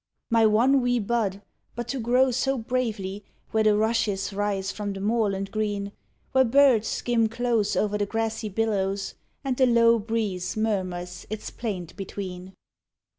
My one wee bud, but to grow so bravely Where the rushes rise from the moorland green, Where birds skim close o'er the grassy billows And the low breeze murmurs its plaint between.